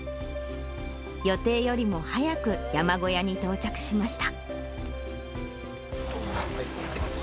予定よりも早く山小屋に到着しました。